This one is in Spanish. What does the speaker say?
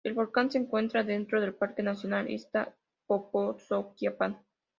El volcán se encuentra dentro del parque nacional Izta-Popo-Zoquiapan.